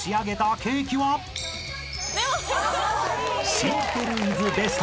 ［シンプルイズベスト。